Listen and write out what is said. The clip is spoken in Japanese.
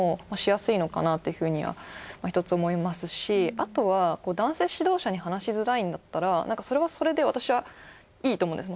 あとは男性指導者に話しづらいんだったらそれはそれで私はいいと思うんですね。